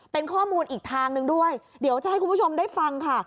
เป็นข้อมูลอีกทางหนึ่งด้วยเดี๋ยวจะให้คุณผู้ชมได้ฟังค่ะ